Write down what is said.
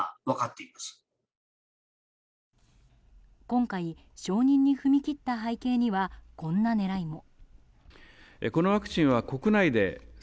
今回、承認に踏み切った背景には、こんな狙いも。